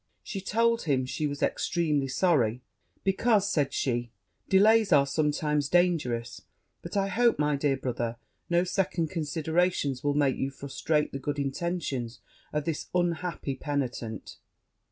She told him she was extremely sorry; 'Because,' said she, 'delays are sometimes dangerous: but I hope, my dear brother, no second considerations will make you frustrate the good intentions of this unhappy penitent.'